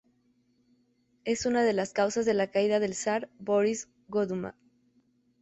Es una de las causas de la caída del zar Boris Godunov.